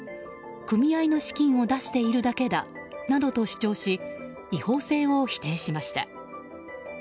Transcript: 組合の資金を出しているだけだなどと主張し違法性を否定しました。